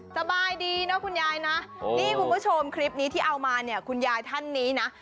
สบายดีนะคุณยายนะนี่คุณผู้ชมคลิปนี้ที่เอามาเนี่ยคุณยายท่านนี้นะ